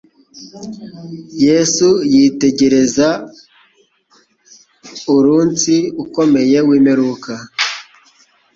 Yesu yitegereza uruunsi ukomeye w'imperuka;